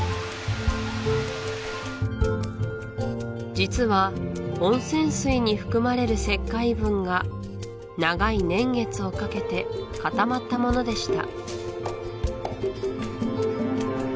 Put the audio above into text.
実は温泉水に含まれる石灰分が長い年月をかけて固まったものでした